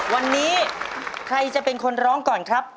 วันนี้ใครจะเป็นคนร้องก่อนครับ